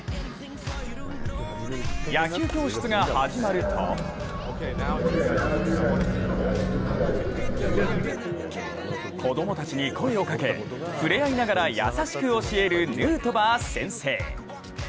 野球教室が始まると子供たちに声をかけ、ふれあいながら優しく教えるヌートバー先生。